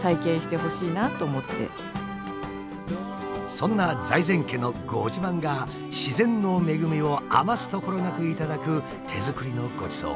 そんな財前家のご自慢が自然の恵みを余すところなく頂く手作りのごちそう。